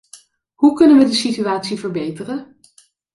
Hoe kunnen wij de situatie verbeteren?